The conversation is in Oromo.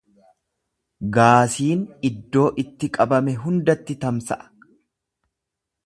Gaasiin iddoo itti qabame hundatti tamsa’a.